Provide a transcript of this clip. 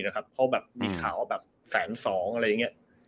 เพราะมีข่าวแบบแสนสอง